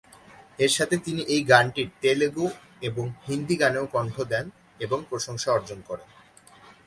এর সাথে তিনি এই গানটির তেলুগু এবং হিন্দি গানেও কন্ঠ দেন এবং প্রশংসা অর্জন করেন।